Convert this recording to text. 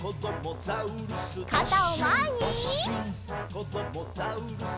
「こどもザウルス